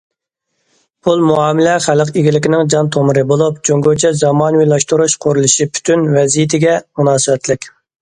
پۇل مۇئامىلە خەلق ئىگىلىكىنىڭ جان تومۇرى بولۇپ، جۇڭگوچە زامانىۋىلاشتۇرۇش قۇرۇلۇشى پۈتۈن ۋەزىيىتىگە مۇناسىۋەتلىك.